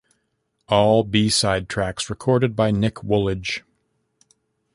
All b-side tracks recorded by Nick Woolage.